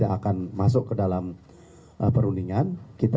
diambil pengambilan untuk membuatkan b serdi loving hubungan untuk pminto